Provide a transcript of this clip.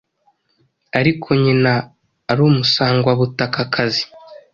ariko nyina ari Umusangwabutakakazi,